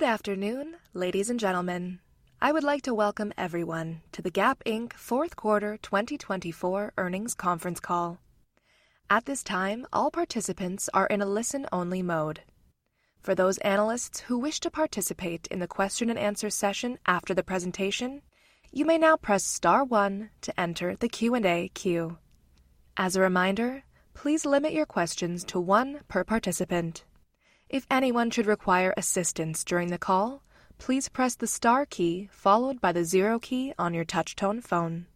Good afternoon, ladies and gentlemen. I would like to welcome everyone to the Gap Inc. Q4 2024 Earnings Conference Call. At this time, all participants are in a listen-only mode. For those analysts who wish to participate in the question-and-answer session after the presentation, you may now press star one to enter the Q&A queue. As a reminder, please limit your questions to one per participant. If anyone should require assistance during the call, please press the star key followed by the zero key on your touch-tone phone.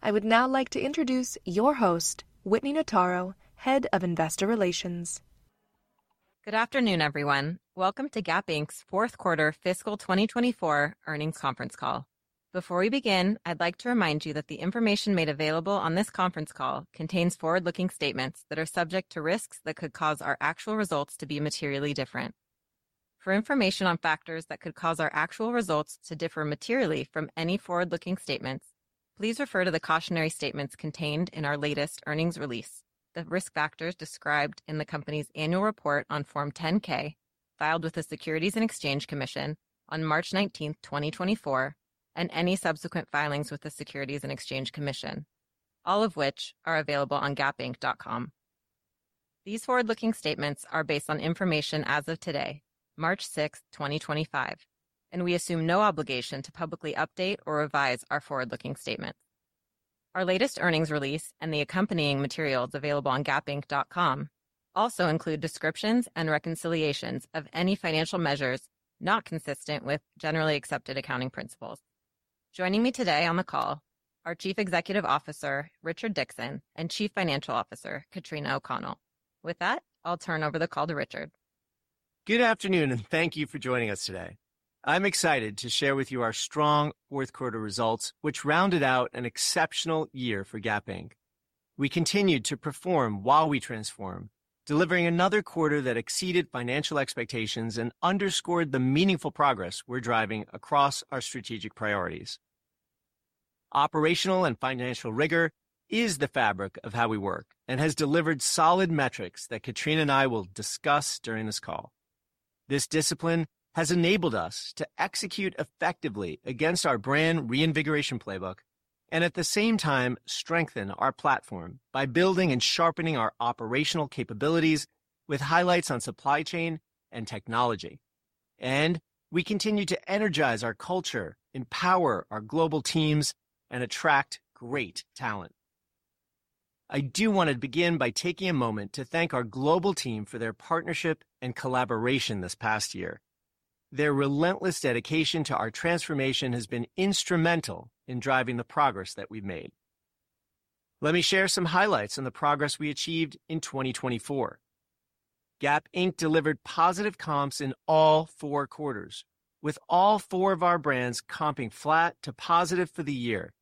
I would now like to introduce your host, Whitney Notaro, Head of Investor Relations. Good afternoon, everyone. Welcome to Gap Inc.'s Q4 Fiscal 2024 Earnings Conference Call. Before we begin, I'd like to remind you that the information made available on this conference call contains forward-looking statements that are subject to risks that could cause our actual results to be materially different. For information on factors that could cause our actual results to differ materially from any forward-looking statements, please refer to the cautionary statements contained in our latest earnings release, the risk factors described in the company's annual report on Form 10-K filed with the Securities and Exchange Commission on March 19, 2024, and any subsequent filings with the Securities and Exchange Commission, all of which are available on gapinc.com. These forward-looking statements are based on information as of today, March 6, 2025, and we assume no obligation to publicly update or revise our forward-looking statements. Our latest earnings release and the accompanying materials available on gapinc.com also include descriptions and reconciliations of any financial measures not consistent with generally accepted accounting principles. Joining me today on the call are Chief Executive Officer Richard Dickson and Chief Financial Officer Katrina O'Connell. With that, I'll turn over the call to Richard. Good afternoon, and thank you for joining us today. I'm excited to share with you our strong Q4 results, which rounded out an exceptional year for Gap Inc. We continued to perform while we transform, delivering another quarter that exceeded financial expectations and underscored the meaningful progress we're driving across our strategic priorities. Operational and financial rigor is the fabric of how we work and has delivered solid metrics that Katrina and I will discuss during this call. This discipline has enabled us to execute effectively against our brand reinvigoration playbook and, at the same time, strengthen our platform by building and sharpening our operational capabilities with highlights on supply chain and technology, and we continue to energize our culture, empower our global teams, and attract great talent. I do want to begin by taking a moment to thank our global team for their partnership and collaboration this past year. Their relentless dedication to our transformation has been instrumental in driving the progress that we've made. Let me share some highlights in the progress we achieved in 2024. Gap Inc. delivered positive comps in all four quarters, with all four of our brands comping flat to positive for the year,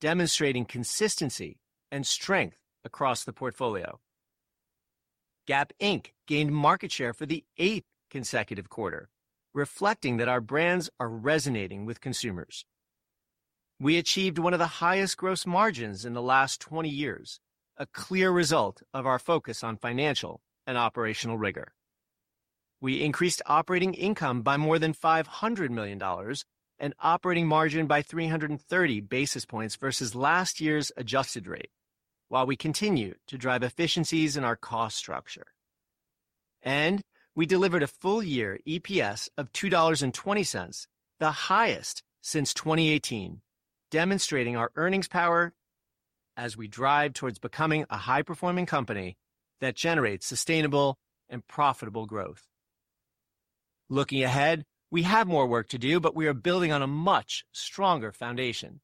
demonstrating consistency and strength across the portfolio. Gap Inc. gained market share for the eighth consecutive quarter, reflecting that our brands are resonating with consumers. We achieved one of the highest gross margins in the last 20 years, a clear result of our focus on financial and operational rigor. We increased operating income by more than $500 million and operating margin by 330 basis points versus last year's adjusted rate, while we continue to drive efficiencies in our cost structure. And we delivered a full-year EPS of $2.20, the highest since 2018, demonstrating our earnings power as we drive towards becoming a high-performing company that generates sustainable and profitable growth. Looking ahead, we have more work to do, but we are building on a much stronger foundation.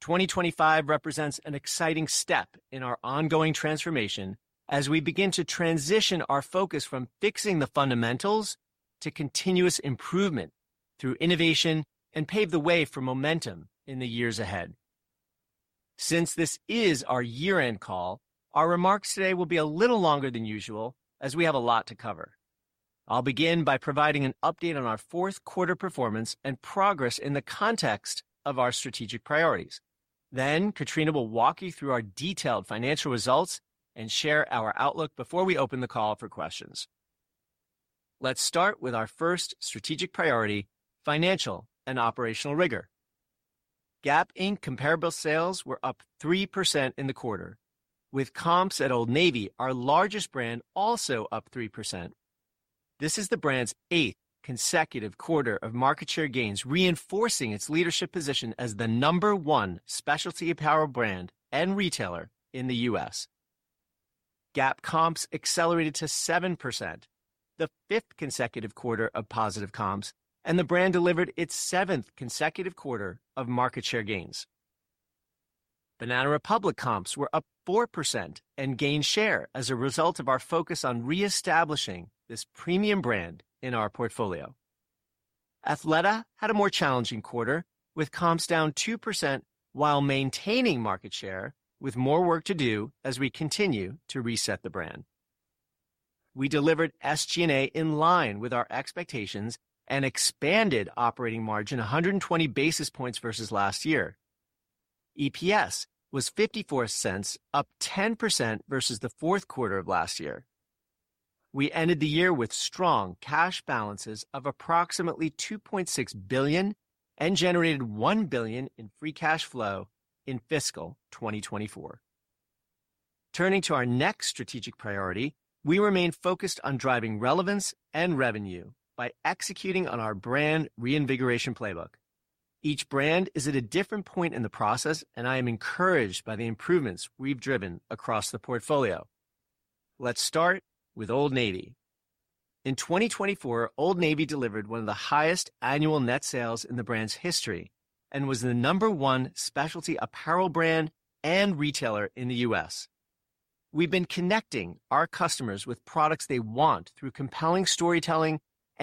2025 represents an exciting step in our ongoing transformation as we begin to transition our focus from fixing the fundamentals to continuous improvement through innovation and pave the way for momentum in the years ahead. Since this is our year-end call, our remarks today will be a little longer than usual as we have a lot to cover. I'll begin by providing an update on our Q4 performance and progress in the context of our strategic priorities. Then, Katrina will walk you through our detailed financial results and share our outlook before we open the call for questions. Let's start with our first strategic priority, financial and operational rigor. Gap Inc. comparable sales were up 3% in the quarter, with comps at Old Navy, our largest brand, also up 3%. This is the brand's eighth consecutive quarter of market share gains, reinforcing its leadership position as the number one specialty power brand and retailer in the U.S. Gap comps accelerated to 7%, the fifth consecutive quarter of positive comps, and the brand delivered its seventh consecutive quarter of market share gains. Banana Republic comps were up 4% and gained share as a result of our focus on reestablishing this premium brand in our portfolio. Athleta had a more challenging quarter, with comps down 2% while maintaining market share, with more work to do as we continue to reset the brand. We delivered SG&A in line with our expectations and expanded operating margin 120 basis points versus last year. EPS was $0.54, up 10% versus the fourth quarter of last year. We ended the year with strong cash balances of approximately $2.6 billion and generated $1 billion in free cash flow in fiscal 2024. Turning to our next strategic priority, we remain focused on driving relevance and revenue by executing on our brand reinvigoration playbook. Each brand is at a different point in the process, and I am encouraged by the improvements we've driven across the portfolio. Let's start with Old Navy. In 2024, Old Navy delivered one of the highest annual net sales in the brand's history and was the number one specialty apparel brand and retailer in the U.S. We've been connecting our customers with products they want through compelling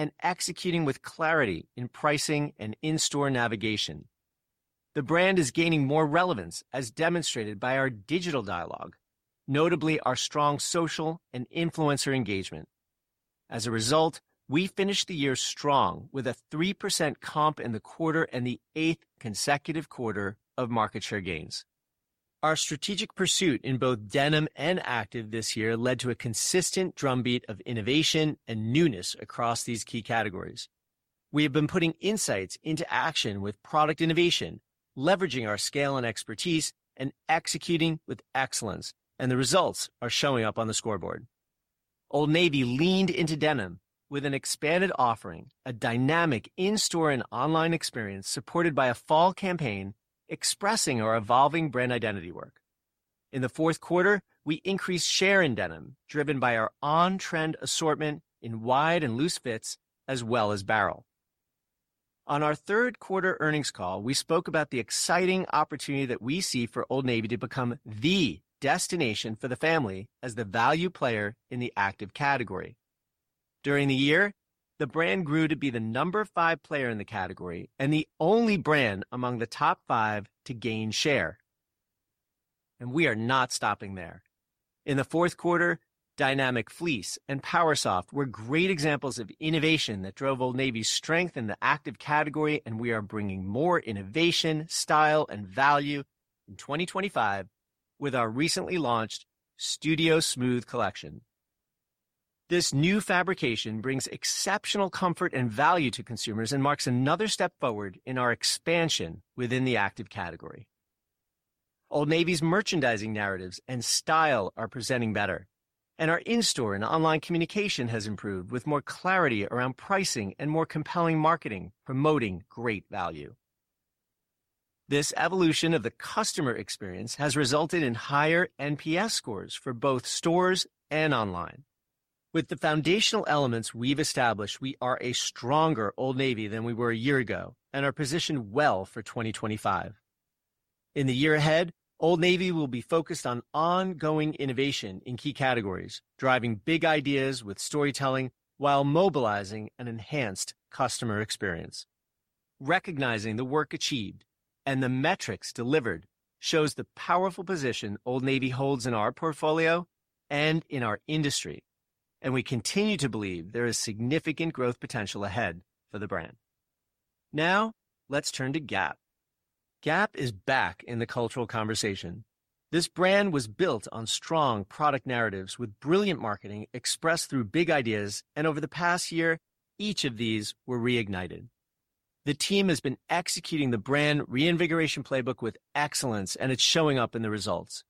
storytelling and executing with clarity in pricing and in-store navigation. The brand is gaining more relevance, as demonstrated by our digital dialogue, notably our strong social and influencer engagement. As a result, we finished the year strong with a 3% comp in the quarter and the eighth consecutive quarter of market share gains. Our strategic pursuit in both denim and active this year led to a consistent drumbeat of innovation and newness across these key categories. We have been putting insights into action with product innovation, leveraging our scale and expertise, and executing with excellence, and the results are showing up on the scoreboard. Old Navy leaned into denim with an expanded offering, a dynamic in-store and online experience supported by a fall campaign expressing our evolving brand identity work. In the fourth quarter, we increased share in denim, driven by our on-trend assortment in wide and loose fits, as well as barrel. On our Third Quarter Earnings Call, we spoke about the exciting opportunity that we see for Old Navy to become the destination for the family as the value player in the active category. During the year, the brand grew to be the number five player in the category and the only brand among the top five to gain share, and we are not stopping there. In the fourth quarter, Dynamic Fleece and PowerSoft were great examples of innovation that drove Old Navy's strength in the active category, and we are bringing more innovation, style, and value in 2025 with our recently launched Studio Smooth collection. This new fabrication brings exceptional comfort and value to consumers and marks another step forward in our expansion within the active category. Old Navy's merchandising narratives and style are presenting better, and our in-store and online communication has improved with more clarity around pricing and more compelling marketing, promoting great value. This evolution of the customer experience has resulted in higher NPS scores for both stores and online. With the foundational elements we've established, we are a stronger Old Navy than we were a year ago and are positioned well for 2025. In the year ahead, Old Navy will be focused on ongoing innovation in key categories, driving big ideas with storytelling while mobilizing an enhanced customer experience. Recognizing the work achieved and the metrics delivered shows the powerful position Old Navy holds in our portfolio and in our industry, and we continue to believe there is significant growth potential ahead for the brand. Now, let's turn to Gap. Gap is back in the cultural conversation. This brand was built on strong product narratives with brilliant marketing expressed through big ideas, and over the past year, each of these were reignited. The team has been executing the brand reinvigoration playbook with excellence, and it's showing up in the results.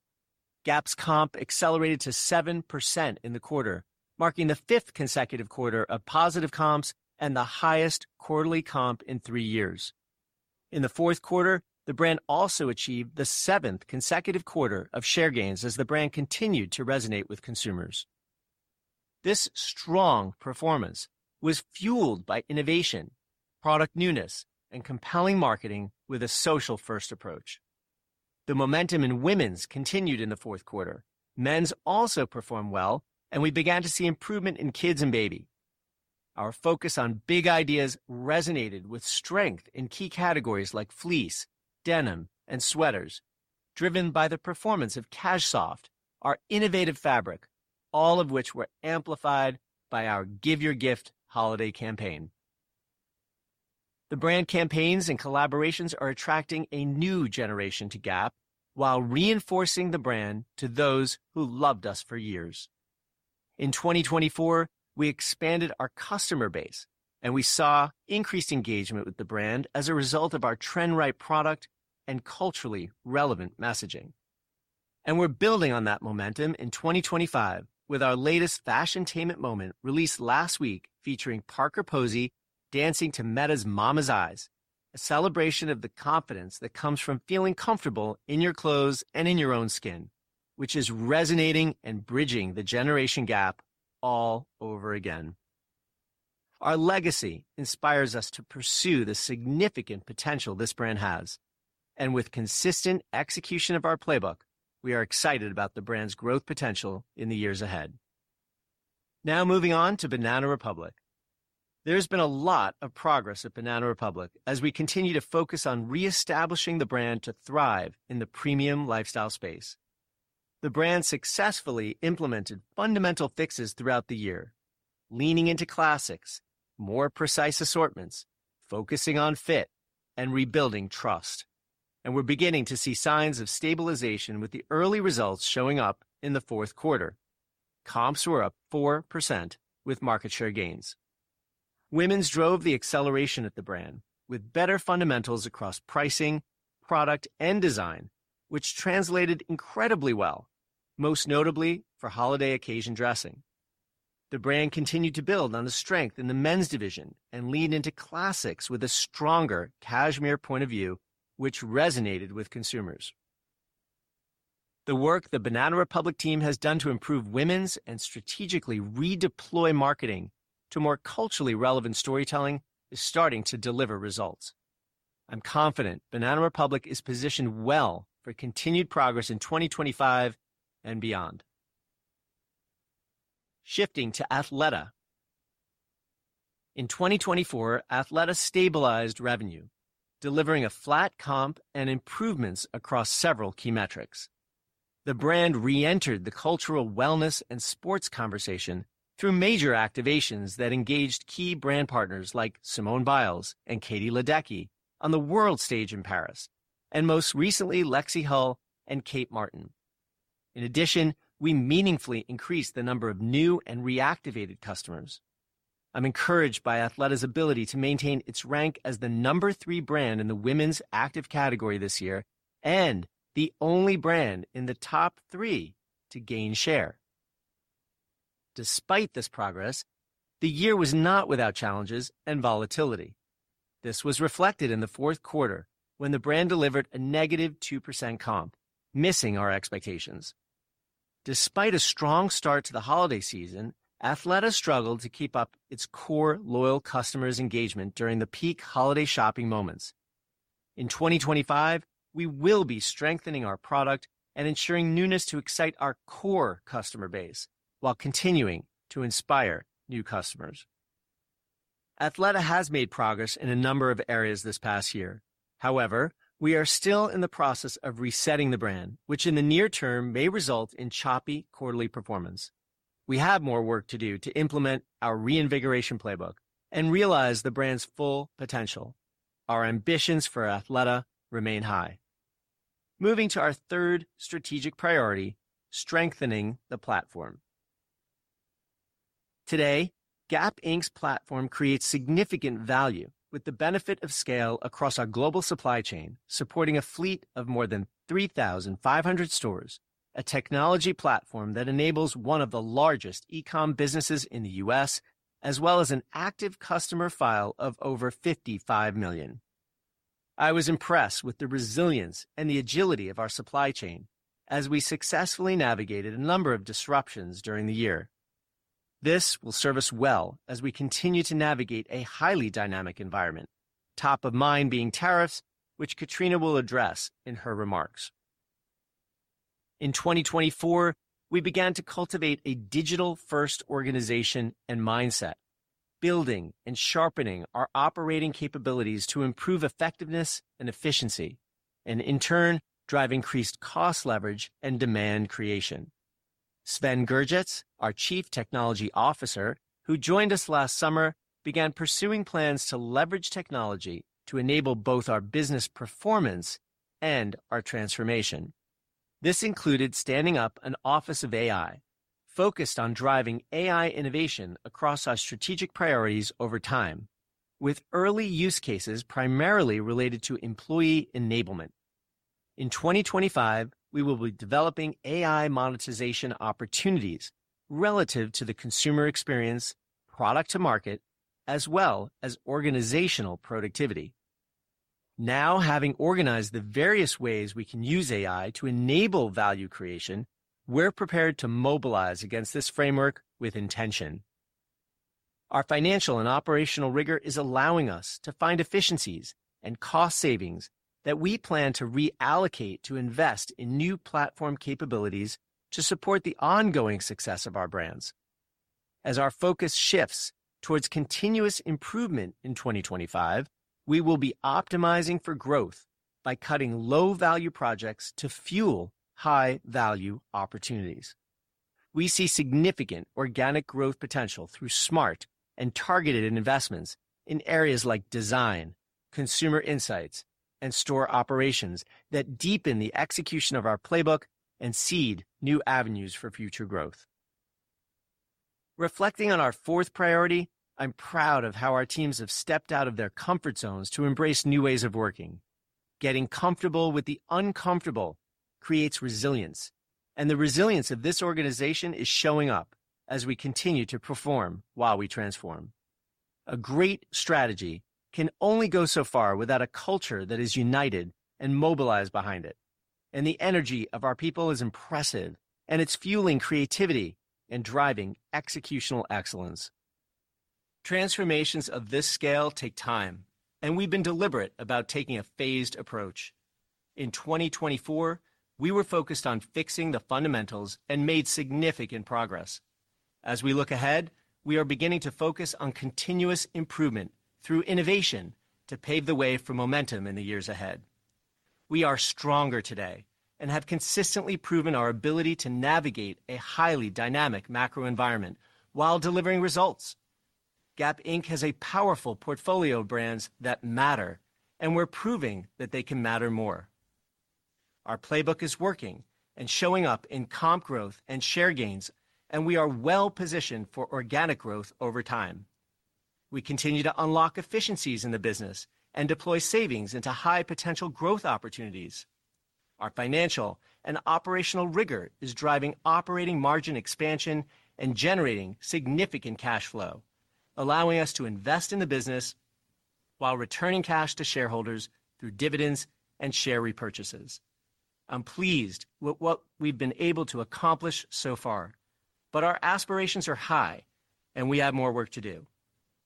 Gap's comp accelerated to 7% in the quarter, marking the fifth consecutive quarter of positive comps and the highest quarterly comp in three years. In the fourth quarter, the brand also achieved the seventh consecutive quarter of share gains as the brand continued to resonate with consumers. This strong performance was fueled by innovation, product newness, and compelling marketing with a social-first approach. The momentum in women's continued in the fourth quarter. Men's also performed well, and we began to see improvement in kids and baby. Our focus on big ideas resonated with strength in key categories like fleece, denim, and sweaters, driven by the performance of CashSoft, our innovative fabric, all of which were amplified by our Give Your Gift holiday campaign. The brand campaigns and collaborations are attracting a new generation to Gap while reinforcing the brand to those who loved us for years. In 2024, we expanded our customer base, and we saw increased engagement with the brand as a result of our trend-right product and culturally relevant messaging, and we're building on that momentum in 2025 with our latest fashiontainment moment released last week featuring Parker Posey dancing to METTE's Mama's Eyes, a celebration of the confidence that comes from feeling comfortable in your clothes and in your own skin, which is resonating and bridging the generation gap all over again. Our legacy inspires us to pursue the significant potential this brand has, and with consistent execution of our playbook, we are excited about the brand's growth potential in the years ahead. Now moving on to Banana Republic. There's been a lot of progress at Banana Republic as we continue to focus on reestablishing the brand to thrive in the premium lifestyle space. The brand successfully implemented fundamental fixes throughout the year, leaning into classics, more precise assortments, focusing on fit, and rebuilding trust, and we're beginning to see signs of stabilization with the early results showing up in the fourth quarter. Comps were up 4% with market share gains. Women's drove the acceleration at the brand with better fundamentals across pricing, product, and design, which translated incredibly well, most notably for holiday occasion dressing. The brand continued to build on the strength in the men's division and lean into classics with a stronger cashmere point of view, which resonated with consumers. The work the Banana Republic team has done to improve women's and strategically redeploy marketing to more culturally relevant storytelling is starting to deliver results. I'm confident Banana Republic is positioned well for continued progress in 2025 and beyond. Shifting to Athleta. In 2024, Athleta stabilized revenue, delivering a flat comp and improvements across several key metrics. The brand reentered the cultural wellness and sports conversation through major activations that engaged key brand partners like Simone Biles and Katie Ledecky on the world stage in Paris, and most recently, Lexie Hull and Kate Martin. In addition, we meaningfully increased the number of new and reactivated customers. I'm encouraged by Athleta's ability to maintain its rank as the number three brand in the women's active category this year and the only brand in the top three to gain share. Despite this progress, the year was not without challenges and volatility. This was reflected in the fourth quarter when the brand delivered a negative 2% comp, missing our expectations. Despite a strong start to the holiday season, Athleta struggled to keep up its core loyal customers' engagement during the peak holiday shopping moments. In 2025, we will be strengthening our product and ensuring newness to excite our core customer base while continuing to inspire new customers. Athleta has made progress in a number of areas this past year. However, we are still in the process of resetting the brand, which in the near term may result in choppy quarterly performance. We have more work to do to implement our reinvigoration playbook and realize the brand's full potential. Our ambitions for Athleta remain high. Moving to our third strategic priority, strengthening the platform. Today, Gap Inc.'s platform creates significant value with the benefit of scale across our global supply chain, supporting a fleet of more than 3,500 stores, a technology platform that enables one of the largest e-com businesses in the U.S., as well as an active customer file of over 55 million. I was impressed with the resilience and the agility of our supply chain as we successfully navigated a number of disruptions during the year. This will serve us well as we continue to navigate a highly dynamic environment, top of mind being tariffs, which Katrina will address in her remarks. In 2024, we began to cultivate a digital-first organization and mindset, building and sharpening our operating capabilities to improve effectiveness and efficiency, and in turn, drive increased cost leverage and demand creation. Sven Gerjets, our Chief Technology Officer, who joined us last summer, began pursuing plans to leverage technology to enable both our business performance and our transformation. This included standing up an Office of AI focused on driving AI innovation across our strategic priorities over time, with early use cases primarily related to employee enablement. In 2025, we will be developing AI monetization opportunities relative to the consumer experience, product to market, as well as organizational productivity. Now, having organized the various ways we can use AI to enable value creation, we're prepared to mobilize against this framework with intention. Our financial and operational rigor is allowing us to find efficiencies and cost savings that we plan to reallocate to invest in new platform capabilities to support the ongoing success of our brands. As our focus shifts towards continuous improvement in 2025, we will be optimizing for growth by cutting low-value projects to fuel high-value opportunities. We see significant organic growth potential through smart and targeted investments in areas like design, consumer insights, and store operations that deepen the execution of our playbook and seed new avenues for future growth. Reflecting on our fourth priority, I'm proud of how our teams have stepped out of their comfort zones to embrace new ways of working. Getting comfortable with the uncomfortable creates resilience, and the resilience of this organization is showing up as we continue to perform while we transform. A great strategy can only go so far without a culture that is united and mobilized behind it, and the energy of our people is impressive, and it's fueling creativity and driving executional excellence. Transformations of this scale take time, and we've been deliberate about taking a phased approach. In 2024, we were focused on fixing the fundamentals and made significant progress. As we look ahead, we are beginning to focus on continuous improvement through innovation to pave the way for momentum in the years ahead. We are stronger today and have consistently proven our ability to navigate a highly dynamic macro environment while delivering results. Gap Inc. has a powerful portfolio of brands that matter, and we're proving that they can matter more. Our playbook is working and showing up in comp growth and share gains, and we are well positioned for organic growth over time. We continue to unlock efficiencies in the business and deploy savings into high potential growth opportunities. Our financial and operational rigor is driving operating margin expansion and generating significant cash flow, allowing us to invest in the business while returning cash to shareholders through dividends and share repurchases. I'm pleased with what we've been able to accomplish so far, but our aspirations are high, and we have more work to do.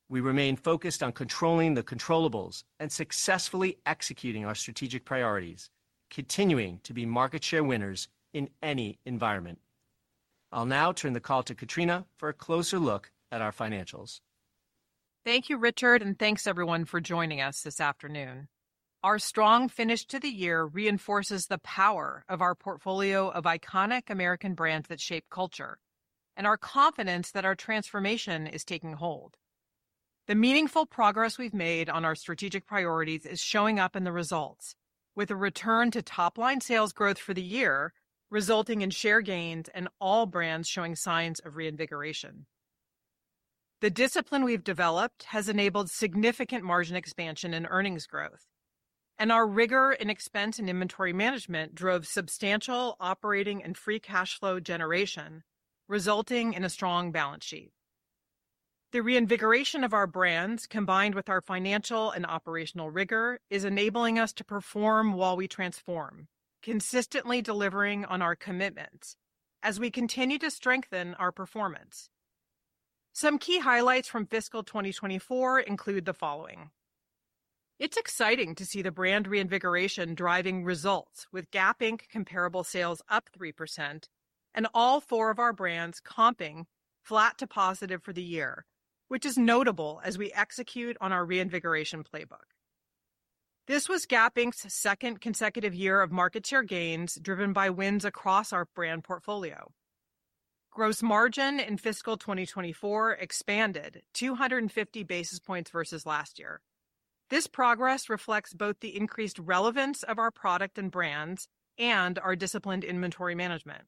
We remain focused on controlling the controllables, and successfully executing our strategic priorities, continuing to be market share winners in any environment. I'll now turn the call to Katrina for a closer look at our financials. Thank you, Richard, and thanks everyone for joining us this afternoon. Our strong finish to the year reinforces the power of our portfolio of iconic American brands that shape culture, and our confidence that our transformation is taking hold. The meaningful progress we've made on our strategic priorities is showing up in the results, with a return to top-line sales growth for the year, resulting in share gains and all brands showing signs of reinvigoration. The discipline we've developed has enabled significant margin expansion and earnings growth, and our rigor in expense and inventory management drove substantial operating and free cash flow generation, resulting in a strong balance sheet. The reinvigoration of our brands, combined with our financial and operational rigor, is enabling us to perform while we transform, consistently delivering on our commitments as we continue to strengthen our performance. Some key highlights from fiscal 2024 include the following. It's exciting to see the brand reinvigoration driving results with Gap Inc. comparable sales up 3%, and all four of our brands comping flat to positive for the year, which is notable as we execute on our reinvigoration playbook. This was Gap Inc.'s second consecutive year of market share gains driven by wins across our brand portfolio. Gross margin in fiscal 2024 expanded 250 basis points versus last year. This progress reflects both the increased relevance of our product and brands and our disciplined inventory management.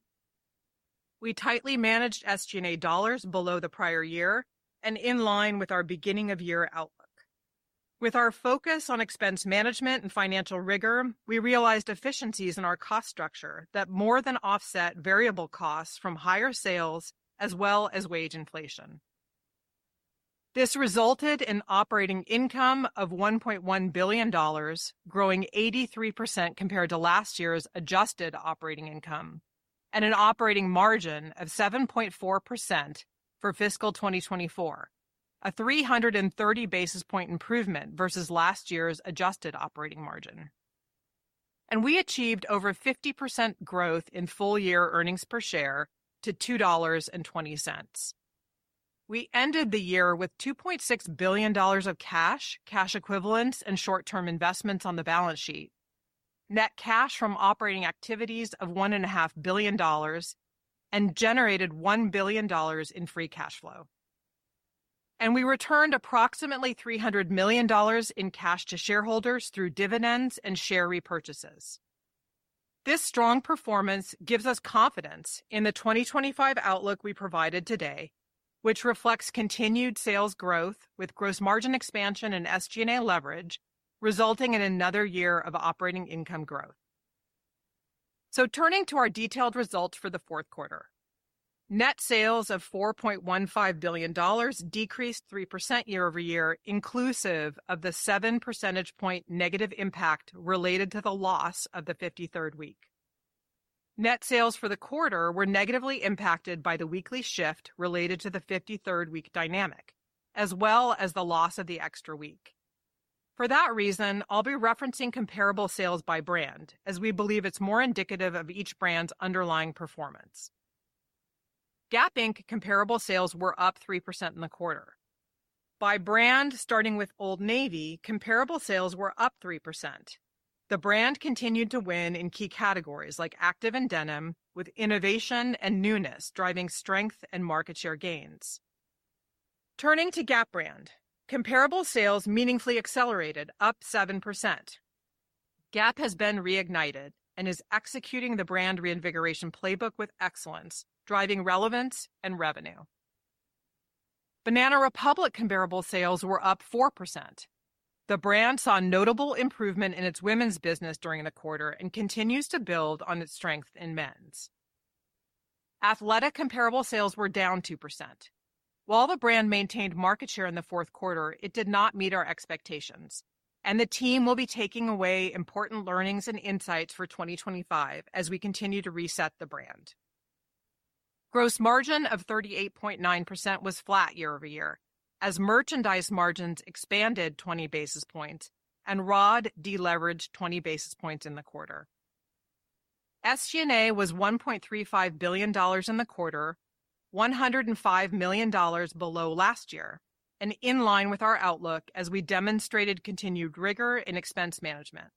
We tightly managed SG&A dollars below the prior year and in line with our beginning-of-year outlook. With our focus on expense management and financial rigor, we realized efficiencies in our cost structure that more than offset variable costs from higher sales as well as wage inflation. This resulted in operating income of $1.1 billion, growing 83% compared to last year's adjusted operating income, and an operating margin of 7.4% for fiscal 2024, a 330 basis point improvement versus last year's adjusted operating margin, and we achieved over 50% growth in full-year earnings per share to $2.20. We ended the year with $2.6 billion of cash, cash equivalents, and short-term investments on the balance sheet, net cash from operating activities of $1.5 billion, and generated $1 billion in free cash flow. We returned approximately $300 million in cash to shareholders through dividends and share repurchases. This strong performance gives us confidence in the 2025 outlook we provided today, which reflects continued sales growth with gross margin expansion and SG&A leverage, resulting in another year of operating income growth. Turning to our detailed results for the fourth quarter, net sales of $4.15 billion decreased 3% year over year, inclusive of the 7 percentage point negative impact related to the loss of the 53rd week. Net sales for the quarter were negatively impacted by the weekly shift related to the 53rd week dynamic, as well as the loss of the extra week. For that reason, I'll be referencing comparable sales by brand, as we believe it's more indicative of each brand's underlying performance. Gap Inc. comparable sales were up 3% in the quarter. By brand, starting with Old Navy, comparable sales were up 3%. The brand continued to win in key categories like active and denim, with innovation and newness driving strength and market share gains. Turning to Gap brand, comparable sales meaningfully accelerated up 7%. Gap has been reignited and is executing the brand reinvigoration playbook with excellence, driving relevance and revenue. Banana Republic comparable sales were up 4%. The brand saw notable improvement in its women's business during the quarter and continues to build on its strength in men's. Athleta comparable sales were down 2%. While the brand maintained market share in the fourth quarter, it did not meet our expectations, and the team will be taking away important learnings and insights for 2025 as we continue to reset the brand. Gross margin of 38.9% was flat year over year as merchandise margins expanded 20 basis points and ROD deleveraged 20 basis points in the quarter. SG&A was $1.35 billion in the quarter, $105 million below last year, and in line with our outlook as we demonstrated continued rigor in expense management.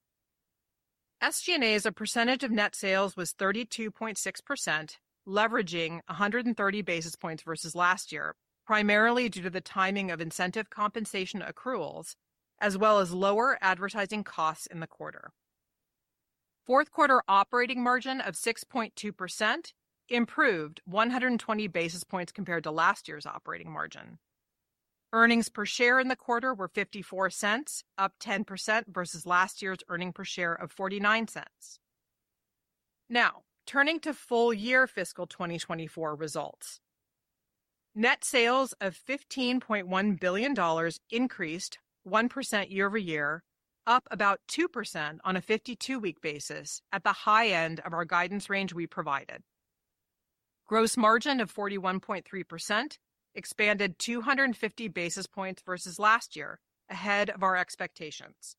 SG&A's percentage of net sales was 32.6%, leveraging 130 basis points versus last year, primarily due to the timing of incentive compensation accruals, as well as lower advertising costs in the quarter. Fourth quarter operating margin of 6.2% improved 120 basis points compared to last year's operating margin. Earnings per share in the quarter were $0.54, up 10% versus last year's earnings per share of $0.49. Now, turning to full-year fiscal 2024 results, net sales of $15.1 billion increased 1% year over year, up about 2% on a 52-week basis at the high end of our guidance range we provided. Gross margin of 41.3% expanded 250 basis points versus last year, ahead of our expectations.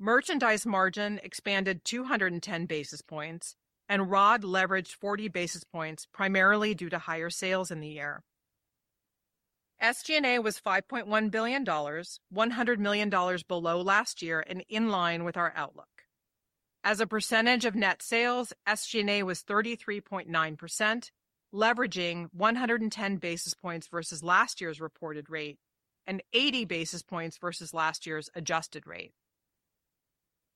Merchandise margin expanded 210 basis points, and ROD leveraged 40 basis points primarily due to higher sales in the year. SG&A was $5.1 billion, $100 million below last year and in line with our outlook. As a percentage of net sales, SG&A was 33.9%, leveraging 110 basis points versus last year's reported rate and 80 basis points versus last year's adjusted rate.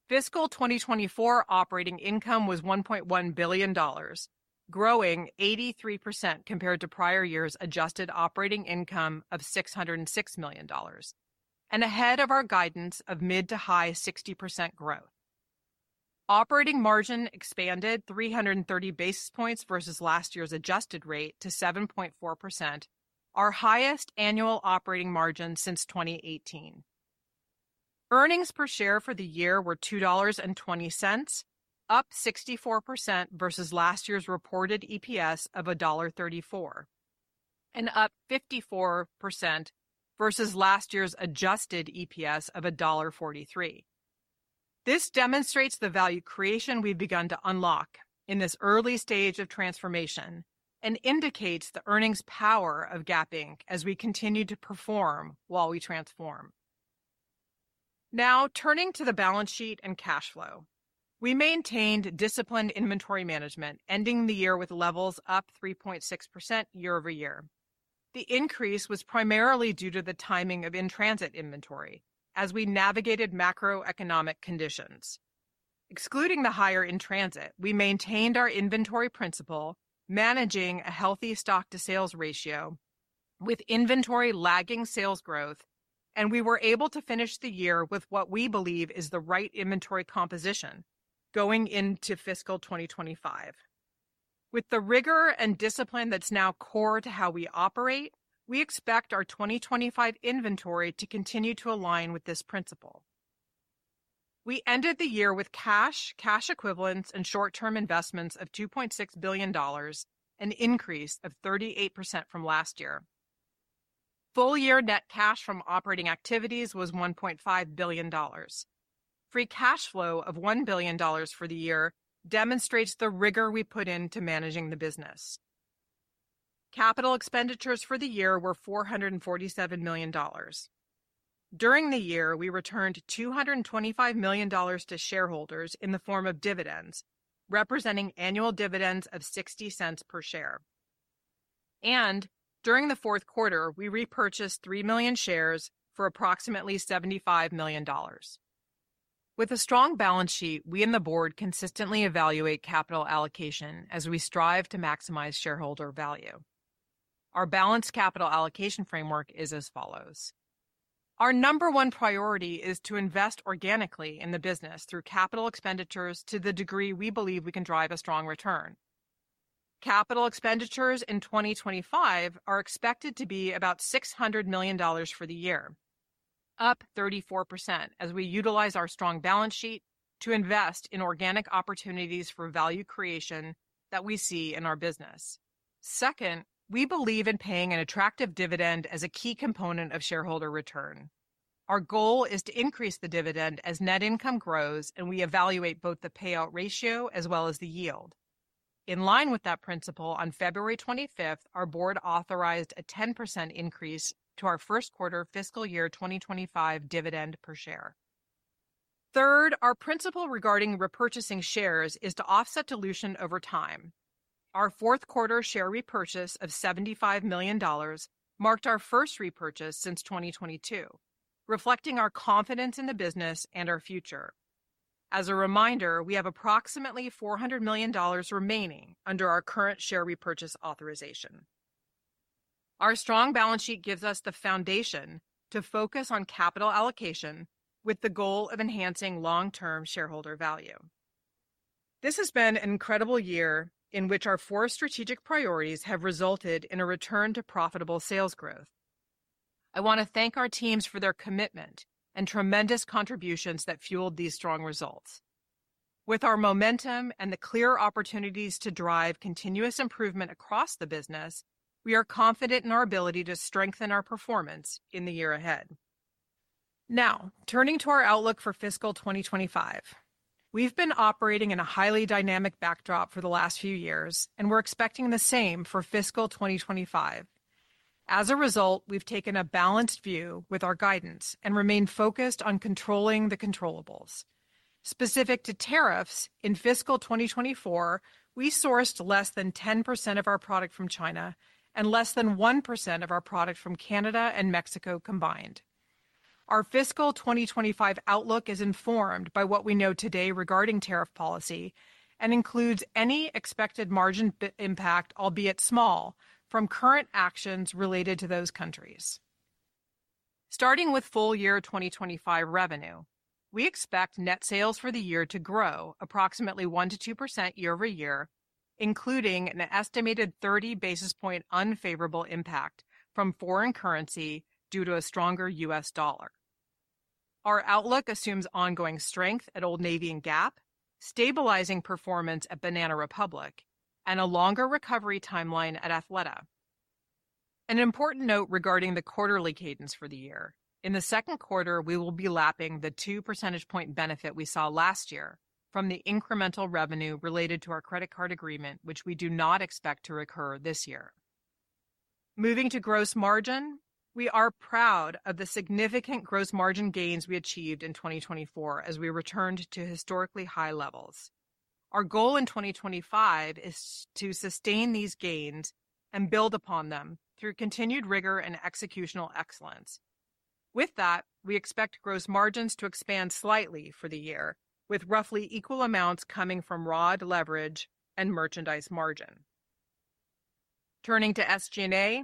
Fiscal 2024 operating income was $1.1 billion, growing 83% compared to prior year's adjusted operating income of $606 million, and ahead of our guidance of mid- to high-60% growth. Operating margin expanded 330 basis points versus last year's adjusted rate to 7.4%, our highest annual operating margin since 2018. Earnings per share for the year were $2.20, up 64% versus last year's reported EPS of $1.34, and up 54% versus last year's adjusted EPS of $1.43. This demonstrates the value creation we've begun to unlock in this early stage of transformation and indicates the earnings power of Gap Inc. as we continue to perform while we transform. Now, turning to the balance sheet and cash flow, we maintained disciplined inventory management, ending the year with levels up 3.6% year over year. The increase was primarily due to the timing of in-transit inventory as we navigated macroeconomic conditions. Excluding the higher in-transit, we maintained our inventory principle, managing a healthy stock-to-sales ratio with inventory lagging sales growth, and we were able to finish the year with what we believe is the right inventory composition going into fiscal 2025. With the rigor and discipline that's now core to how we operate, we expect our 2025 inventory to continue to align with this principle. We ended the year with cash, cash equivalents, and short-term investments of $2.6 billion, an increase of 38% from last year. Full-year net cash from operating activities was $1.5 billion. Free cash flow of $1 billion for the year demonstrates the rigor we put into managing the business. Capital expenditures for the year were $447 million. During the year, we returned $225 million to shareholders in the form of dividends, representing annual dividends of $0.60 per share. During the fourth quarter, we repurchased three million shares for approximately $75 million. With a strong balance sheet, we and the Board consistently evaluate capital allocation as we strive to maximize shareholder value. Our balanced capital allocation framework is as follows. Our number one priority is to invest organically in the business through capital expenditures to the degree we believe we can drive a strong return. Capital expenditures in 2025 are expected to be about $600 million for the year, up 34% as we utilize our strong balance sheet to invest in organic opportunities for value creation that we see in our business. Second, we believe in paying an attractive dividend as a key component of shareholder return. Our goal is to increase the dividend as net income grows and we evaluate both the payout ratio as well as the yield. In line with that principle, on February 25th, our Board authorized a 10% increase to our first quarter fiscal year 2025 dividend per share. Third, our principle regarding repurchasing shares is to offset dilution over time. Our fourth quarter share repurchase of $75 million marked our first repurchase since 2022, reflecting our confidence in the business and our future. As a reminder, we have approximately $400 million remaining under our current share repurchase authorization. Our strong balance sheet gives us the foundation to focus on capital allocation with the goal of enhancing long-term shareholder value. This has been an incredible year in which our four strategic priorities have resulted in a return to profitable sales growth. I want to thank our teams for their commitment and tremendous contributions that fueled these strong results. With our momentum and the clear opportunities to drive continuous improvement across the business, we are confident in our ability to strengthen our performance in the year ahead. Now, turning to our outlook for fiscal 2025, we've been operating in a highly dynamic backdrop for the last few years, and we're expecting the same for fiscal 2025. As a result, we've taken a balanced view with our guidance and remained focused on controlling the controllables. Specific to tariffs, in fiscal 2024, we sourced less than 10% of our product from China and less than 1% of our product from Canada and Mexico combined. Our fiscal 2025 outlook is informed by what we know today regarding tariff policy and includes any expected margin impact, albeit small, from current actions related to those countries. Starting with full-year 2025 revenue, we expect net sales for the year to grow approximately 1%-2% year over year, including an estimated 30 basis point unfavorable impact from foreign currency due to a stronger US dollar. Our outlook assumes ongoing strength at Old Navy and Gap, stabilizing performance at Banana Republic, and a longer recovery timeline at Athleta. An important note regarding the quarterly cadence for the year. In the second quarter, we will be lapping the 2 percentage point benefit we saw last year from the incremental revenue related to our credit card agreement, which we do not expect to recur this year. Moving to gross margin, we are proud of the significant gross margin gains we achieved in 2024 as we returned to historically high levels. Our goal in 2025 is to sustain these gains and build upon them through continued rigor and executional excellence. With that, we expect gross margins to expand slightly for the year, with roughly equal amounts coming from ROD, leverage, and merchandise margin. Turning to SG&A,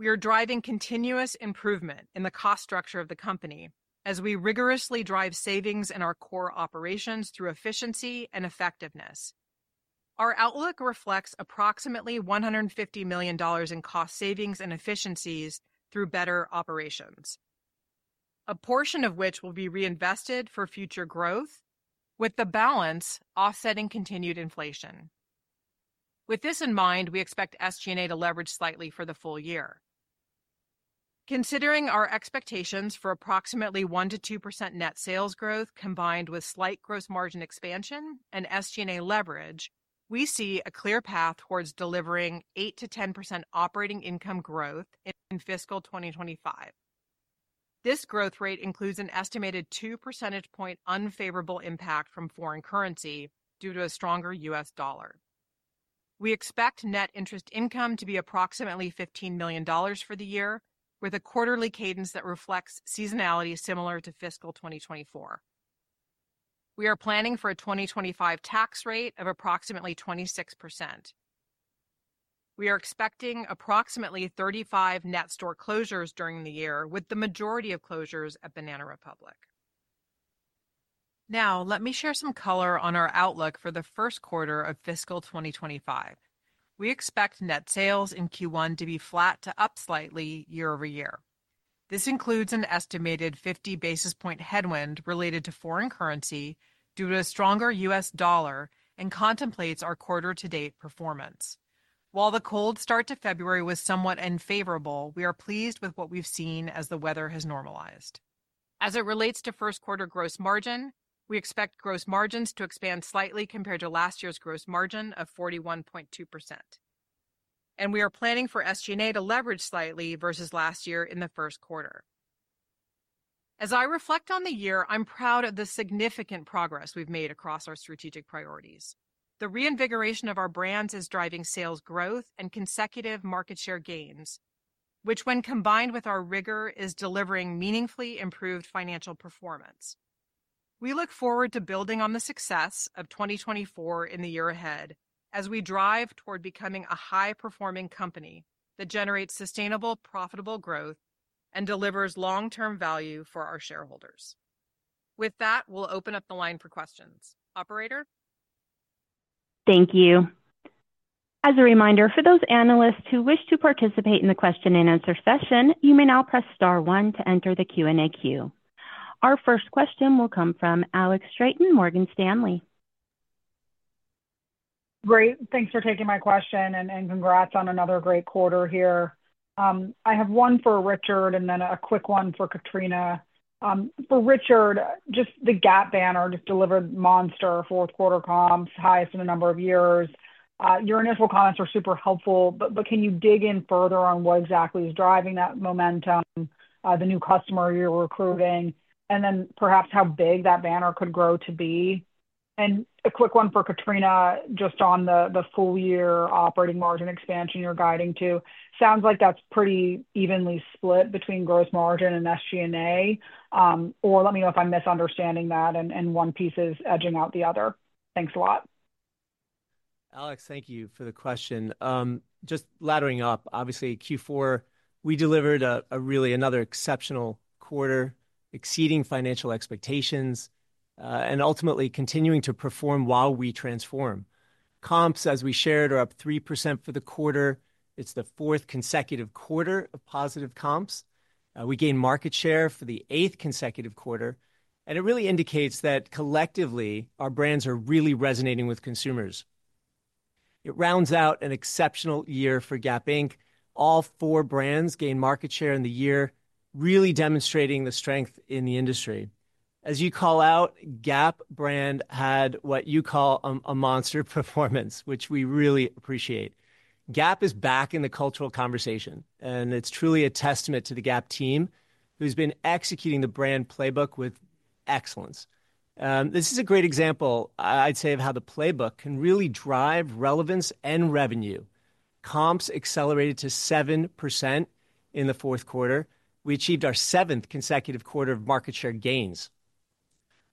we are driving continuous improvement in the cost structure of the company as we rigorously drive savings in our core operations through efficiency and effectiveness. Our outlook reflects approximately $150 million in cost savings and efficiencies through better operations, a portion of which will be reinvested for future growth, with the balance offsetting continued inflation. With this in mind, we expect SG&A to leverage slightly for the full year. Considering our expectations for approximately 1%-2% net sales growth combined with slight gross margin expansion and SG&A leverage, we see a clear path towards delivering 8%-10% operating income growth in fiscal 2025. This growth rate includes an estimated two percentage point unfavorable impact from foreign currency due to a stronger US dollar. We expect net interest income to be approximately $15 million for the year, with a quarterly cadence that reflects seasonality similar to fiscal 2024. We are planning for a 2025 tax rate of approximately 26%. We are expecting approximately 35 net store closures during the year, with the majority of closures at Banana Republic. Now, let me share some color on our outlook for the first quarter of fiscal 2025. We expect net sales in Q1 to be flat to up slightly year over year. This includes an estimated 50 basis point headwind related to foreign currency due to a stronger US dollar and contemplates our quarter-to-date performance. While the cold start to February was somewhat unfavorable, we are pleased with what we've seen as the weather has normalized. As it relates to first quarter gross margin, we expect gross margins to expand slightly compared to last year's gross margin of 41.2%, and we are planning for SG&A to leverage slightly versus last year in the first quarter. As I reflect on the year, I'm proud of the significant progress we've made across our strategic priorities. The reinvigoration of our brands is driving sales growth and consecutive market share gains, which when combined with our rigor is delivering meaningfully improved financial performance. We look forward to building on the success of 2024 in the year ahead as we drive toward becoming a high-performing company that generates sustainable, profitable growth and delivers long-term value for our shareholders. With that, we'll open up the line for questions. Operator? Thank you. As a reminder, for those analysts who wish to participate in the question and answer session, you may now press star one to enter the Q&A queue. Our first question will come from Alex Straton, Morgan Stanley. Great. Thanks for taking my question and congrats on another great quarter here. I have one for Richard and then a quick one for Katrina. For Richard, just the Gap banner just delivered monster fourth quarter comps, highest in a number of years. Your initial comments are super helpful, but can you dig in further on what exactly is driving that momentum, the new customer you're recruiting, and then perhaps how big that banner could grow to be? And a quick one for Katrina just on the full-year operating margin expansion you're guiding to. Sounds like that's pretty evenly split between gross margin and SG&A. Or let me know if I'm misunderstanding that and one piece is edging out the other. Thanks a lot. Alex, thank you for the question. Just laddering up, obviously Q4, we delivered a really another exceptional quarter, exceeding financial expectations, and ultimately continuing to perform while we transform. Comps as we shared are up 3% for the quarter. It's the fourth consecutive quarter of positive comps. We gained market share for the eighth consecutive quarter, and it really indicates that collectively our brands are really resonating with consumers. It rounds out an exceptional year for Gap Inc. All four brands gained market share in the year, really demonstrating the strength in the industry. As you call out, Gap brand had what you call a monster performance, which we really appreciate. Gap is back in the cultural conversation, and it's truly a testament to the Gap team who's been executing the brand playbook with excellence. This is a great example, I'd say, of how the playbook can really drive relevance and revenue. Comps accelerated to 7% in the fourth quarter. We achieved our seventh consecutive quarter of market share gains.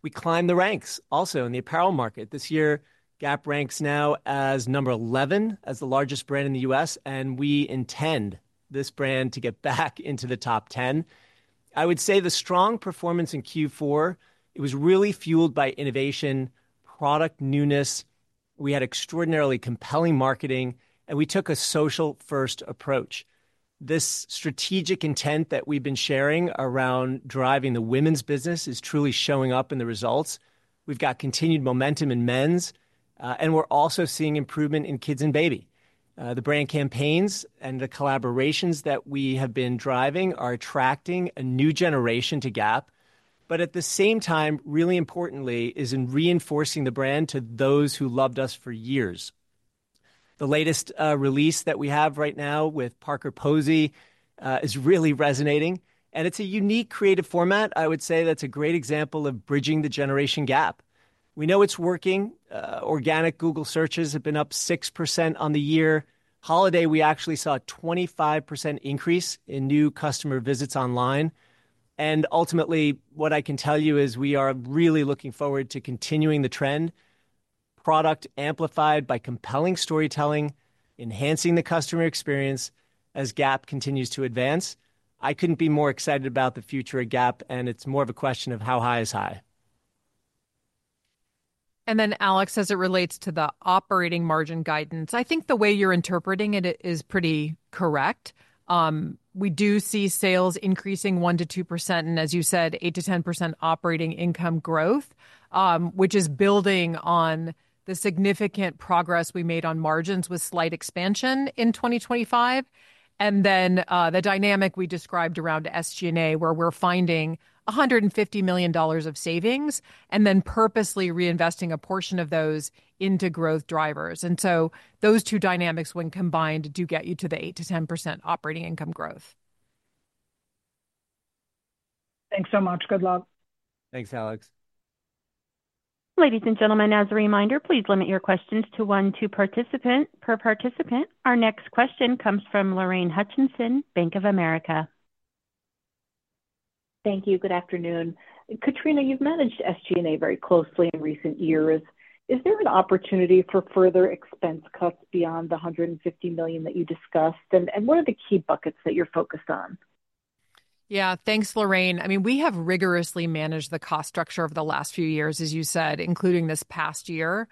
We climbed the ranks also in the apparel market this year. Gap ranks now as number 11 as the largest brand in the U.S., and we intend this brand to get back into the top 10. I would say the strong performance in Q4, it was really fueled by innovation, product newness. We had extraordinarily compelling marketing, and we took a social-first approach. This strategic intent that we've been sharing around driving the women's business is truly showing up in the results. We've got continued momentum in men's, and we're also seeing improvement in kids and baby. The brand campaigns and the collaborations that we have been driving are attracting a new generation to Gap. But at the same time, really importantly is in reinforcing the brand to those who loved us for years. The latest release that we have right now with Parker Posey is really resonating, and it's a unique creative format. I would say that's a great example of bridging the generation gap. We know it's working. Organic Google searches have been up 6% on the year. Holiday, we actually saw a 25% increase in new customer visits online. And ultimately, what I can tell you is we are really looking forward to continuing the trend, product amplified by compelling storytelling, enhancing the customer experience as Gap continues to advance. I couldn't be more excited about the future of Gap, and it's more of a question of how high is high. Then Alex, as it relates to the operating margin guidance, I think the way you're interpreting it is pretty correct. We do see sales increasing 1%-2%, and as you said, 8%-10% operating income growth, which is building on the significant progress we made on margins with slight expansion in 2025. Then the dynamic we described around SG&A, where we're finding $150 million of savings and then purposely reinvesting a portion of those into growth drivers. So those two dynamics when combined do get you to the 8%-10% operating income growth. Thanks so much. Good luck. Thanks, Alex. Ladies and gentlemen, as a reminder, please limit your questions to one participant per participant. Our next question comes from Lorraine Hutchinson, Bank of America. Thank you. Good afternoon. Katrina, you've managed SG&A very closely in recent years. Is there an opportunity for further expense cuts beyond the $150 million that you discussed? And what are the key buckets that you're focused on? Yeah, thanks, Lorraine. I mean, we have rigorously managed the cost structure over the last few years, as you said, including this past year.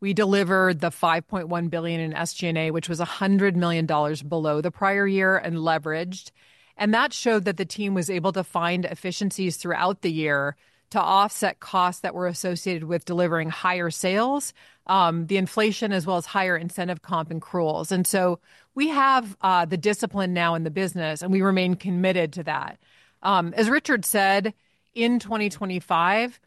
We delivered the $5.1 billion in SG&A, which was $100 million below the prior year and leveraged. And that showed that the team was able to find efficiencies throughout the year to offset costs that were associated with delivering higher sales, the inflation, as well as higher incentive comp and accruals. And so we have the discipline now in the business, and we remain committed to that. As Richard said, in 2025,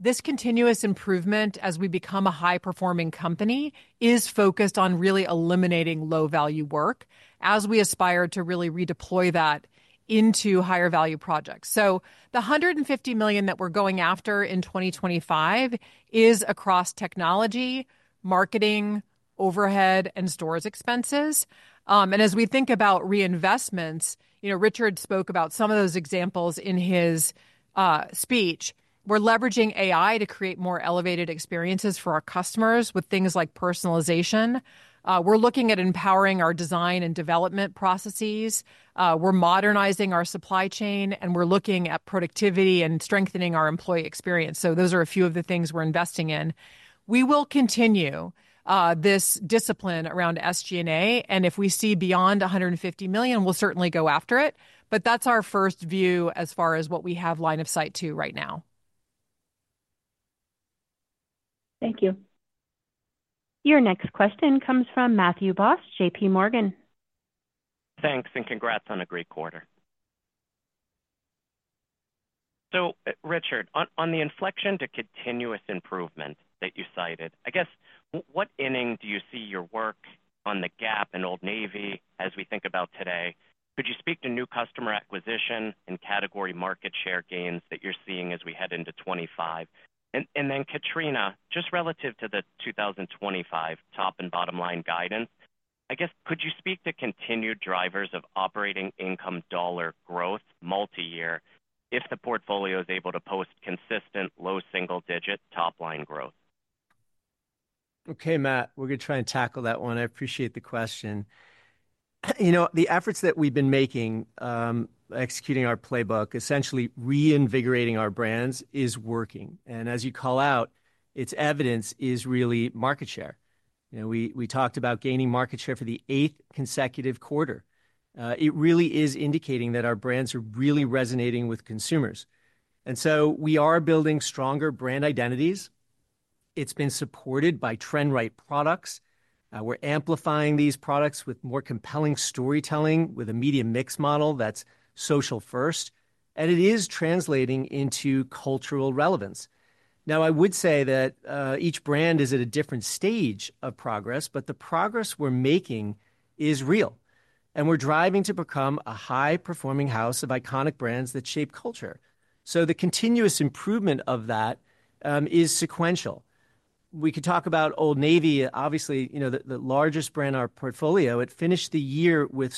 this continuous improvement as we become a high-performing company is focused on really eliminating low-value work as we aspire to really redeploy that into higher-value projects, so the $150 million that we're going after in 2025 is across technology, marketing, overhead, and stores expenses, and as we think about reinvestments, you know, Richard spoke about some of those examples in his speech. We're leveraging AI to create more elevated experiences for our customers with things like personalization. We're looking at empowering our design and development processes. We're modernizing our supply chain, and we're looking at productivity and strengthening our employee experience, so those are a few of the things we're investing in. We will continue this discipline around SG&A, and if we see beyond $150 million, we'll certainly go after it. But that's our first view as far as what we have line of sight to right now. Thank you. Your next question comes from Matthew Boss, JPMorgan. Thanks, and congrats on a great quarter. So Richard, on the inflection to continuous improvement that you cited, I guess what inning do you see your work on the Gap and Old Navy as we think about today? Could you speak to new customer acquisition and category market share gains that you're seeing as we head into 2025? And then Katrina, just relative to the 2025 top and bottom line guidance, I guess could you speak to continued drivers of operating income dollar growth multi-year if the portfolio is able to post consistent low single-digit top line growth? Okay, Matt, we're going to try and tackle that one. I appreciate the question. You know, the efforts that we've been making, executing our playbook, essentially reinvigorating our brands, is working. And as you call out, it's evidence is really market share. You know, we talked about gaining market share for the eighth consecutive quarter. It really is indicating that our brands are really resonating with consumers. And so we are building stronger brand identities. It's been supported by trend-right products. We're amplifying these products with more compelling storytelling with a media mix model that's social-first. And it is translating into cultural relevance. Now, I would say that each brand is at a different stage of progress, but the progress we're making is real. And we're driving to become a high-performing house of iconic brands that shape culture. So the continuous improvement of that is sequential. We could talk about Old Navy, obviously, you know, the largest brand in our portfolio. It finished the year with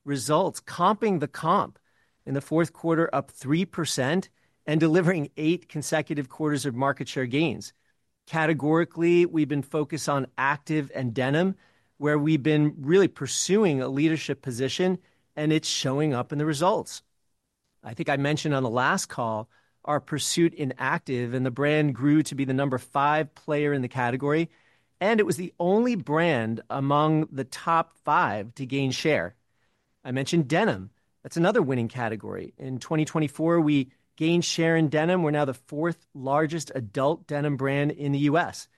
strong results, comping the comp in the fourth quarter up 3% and delivering eight consecutive quarters of market share gains. Categorically, we've been focused on active and denim, where we've been really pursuing a leadership position, and it's showing up in the results. I think I mentioned on the last call our pursuit in Active, and the brand grew to be the number five player in the category, and it was the only brand among the top five to gain share. I mentioned Denim. That's another winning category. In 2024, we gained share in Denim. We're now the fourth largest adult denim brand in the U.S.,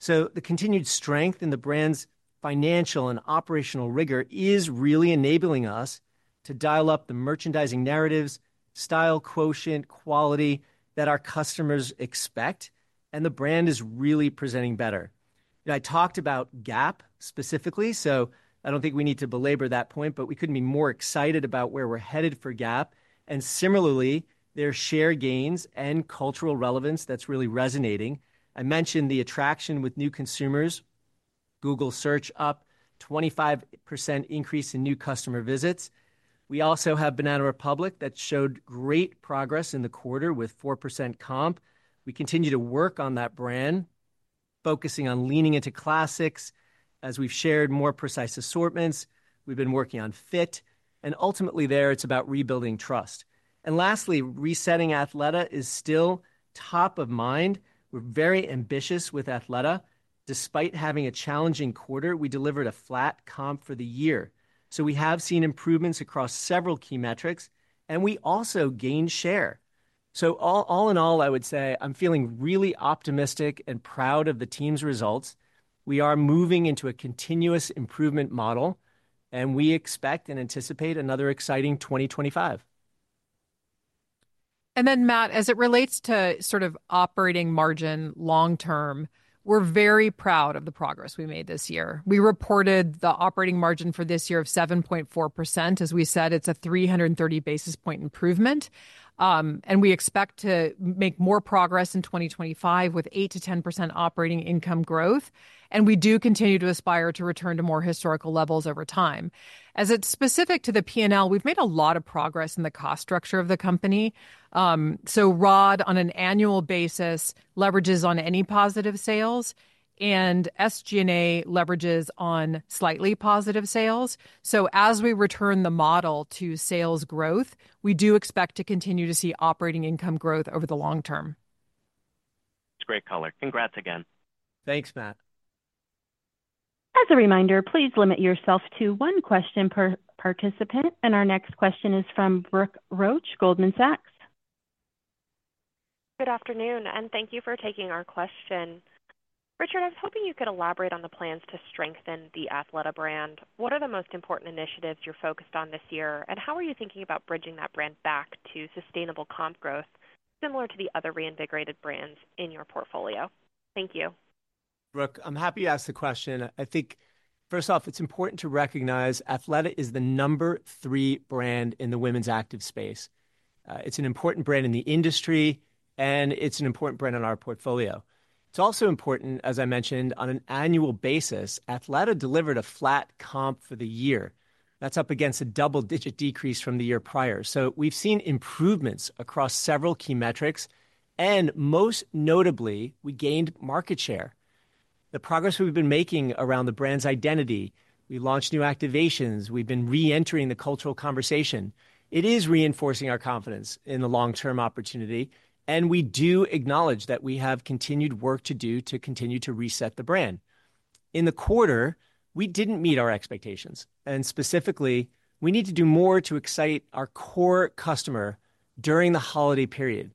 so the continued strength in the brand's financial and operational rigor is really enabling us to dial up the merchandising narratives, style quotient, quality that our customers expect, and the brand is really presenting better. I talked about Gap specifically, so I don't think we need to belabor that point, but we couldn't be more excited about where we're headed for Gap. Similarly, their share gains and cultural relevance, that's really resonating. I mentioned the attraction with new consumers. Google search up 25% increase in new customer visits. We also have Banana Republic that showed great progress in the quarter with 4% comp. We continue to work on that brand, focusing on leaning into classics as we've shared more precise assortments. We've been working on fit. Ultimately there, it's about rebuilding trust. Lastly, resetting Athleta is still top of mind. We're very ambitious with Athleta. Despite having a challenging quarter, we delivered a flat comp for the year. We have seen improvements across several key metrics, and we also gained share. All in all, I would say I'm feeling really optimistic and proud of the team's results. We are moving into a continuous improvement model, and we expect and anticipate another exciting 2025. Then, Matt, as it relates to sort of operating margin long term, we're very proud of the progress we made this year. We reported the operating margin for this year of 7.4%. As we said, it's a 330 basis points improvement. We expect to make more progress in 2025 with 8%-10% operating income growth. We do continue to aspire to return to more historical levels over time. As it's specific to the P&L, we've made a lot of progress in the cost structure of the company. ROD on an annual basis leverages on any positive sales, and SG&A leverages on slightly positive sales. So as we return the model to sales growth, we do expect to continue to see operating income growth over the long term. That's great color. Congrats again. Thanks, Matt. As a reminder, please limit yourself to one question per participant. And our next question is from Brooke Roach, Goldman Sachs. Good afternoon, and thank you for taking our question. Richard, I was hoping you could elaborate on the plans to strengthen the Athleta brand. What are the most important initiatives you're focused on this year, and how are you thinking about bridging that brand back to sustainable comp growth similar to the other reinvigorated brands in your portfolio? Thank you. Brooke, I'm happy to ask the question. I think, first off, it's important to recognize Athleta is the number three brand in the women's active space. It's an important brand in the industry, and it's an important brand in our portfolio. It's also important, as I mentioned, on an annual basis. Athleta delivered a flat comp for the year. That's up against a double-digit decrease from the year prior. So we've seen improvements across several key metrics, and most notably, we gained market share. The progress we've been making around the brand's identity, we launched new activations, we've been re-entering the cultural conversation. It is reinforcing our confidence in the long-term opportunity, and we do acknowledge that we have continued work to do to continue to reset the brand. In the quarter, we didn't meet our expectations, and specifically, we need to do more to excite our core customer during the holiday period.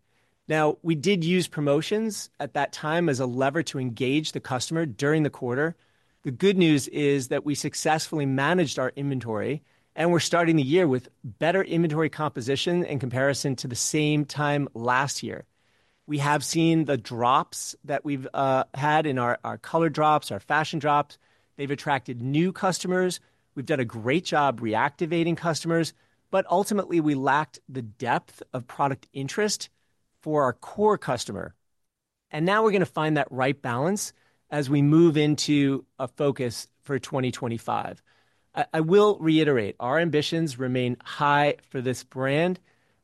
Now, we did use promotions at that time as a lever to engage the customer during the quarter. The good news is that we successfully managed our inventory, and we're starting the year with better inventory composition in comparison to the same time last year. We have seen the drops that we've had in our color drops, our fashion drops. They've attracted new customers. We've done a great job reactivating customers, but ultimately, we lacked the depth of product interest for our core customer, and now we're going to find that right balance as we move into a focus for 2025. I will reiterate, our ambitions remain high for this brand.